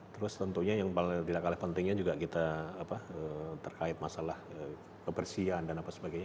terus tentunya yang paling tidak kalah pentingnya juga kita terkait masalah kebersihan dan apa sebagainya